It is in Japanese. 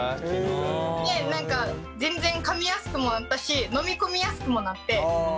何か全然かみやすくもなったし飲み込みやすくもなって。